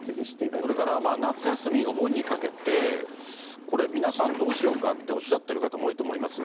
それから夏休み、お盆にかけて、皆さん、どうしようかっておっしゃってる方も多いと思いますが。